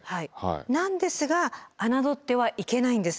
なんですが侮ってはいけないんです。